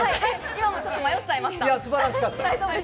今もちょっと迷っちゃいました。